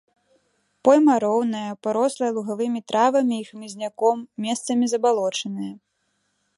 Пойма роўная, парослая лугавымі травамі і хмызняком, месцамі забалочаная.